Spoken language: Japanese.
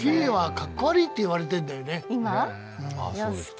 スキーはかっこ悪いって言われてるんだよね。